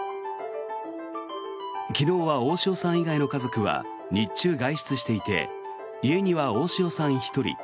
昨日は大塩さん以外の家族は日中、外出していて家には大塩さん一人。